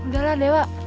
gak lah dewa